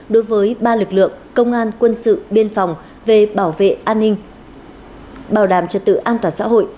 đối với ba lực lượng công an quân sự biên phòng về bảo vệ an ninh bảo đảm trật tự an toàn xã hội